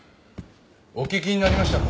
お聞きになりましたか？